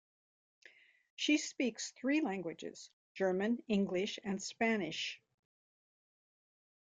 She speaks three languages, German, English, and Spanish.